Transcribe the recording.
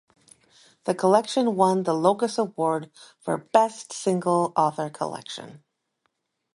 The collection won the Locus Award for best single author collection.